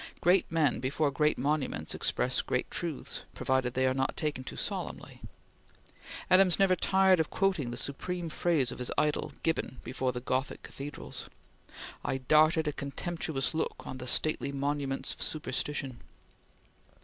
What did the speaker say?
Great men before great monuments express great truths, provided they are not taken too solemnly. Adams never tired of quoting the supreme phrase of his idol Gibbon, before the Gothic cathedrals: "I darted a contemptuous look on the stately monuments of superstition."